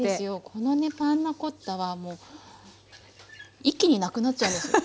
このねパンナコッタはもう一気になくなっちゃうんですよ。